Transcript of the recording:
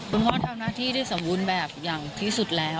คุณพ่อทำหน้าที่ได้สมบูรณ์แบบอย่างที่สุดแล้ว